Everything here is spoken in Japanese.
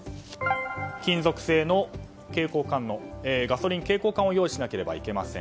金属製のガソリン携行缶を用意しなければなりません。